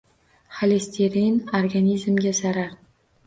Xolesterin, organizmga zarar...